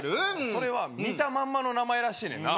それは見たまんまの名前らしいねんな